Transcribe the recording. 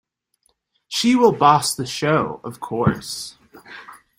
She will boss the show, of course.